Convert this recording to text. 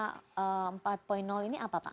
nah empat ini apa pak